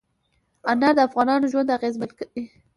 انار د افغانانو ژوند اغېزمن کوي.